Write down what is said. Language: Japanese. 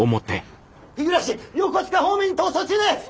日暮横須賀方面に逃走中です！